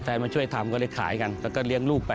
มาช่วยทำก็เลยขายกันแล้วก็เลี้ยงลูกไป